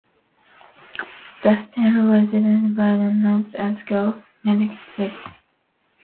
The stand was designed by renowned architect, Archibald Leitch.